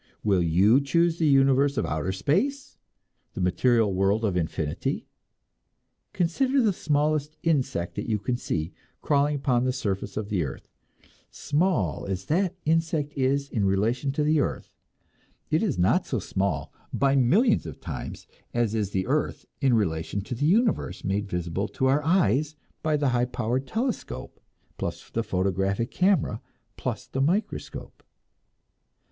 Will you choose the universe of outer space, the material world of infinity? Consider the smallest insect that you can see, crawling upon the surface of the earth; small as that insect is in relation to the earth, it is not so small, by millions of times, as is the earth in relation to the universe made visible to our eyes by the high power telescope, plus the photographic camera, plus the microscope.